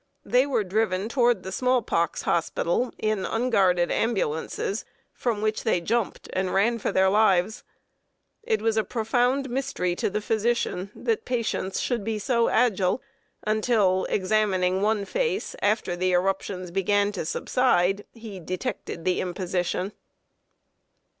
They were driven toward the small pox hospital in unguarded ambulances, from which they jumped and ran for their lives. It was a profound mystery to the physician that patients should be so agile, until, examining one face after the eruptions began to subside, he detected the imposition.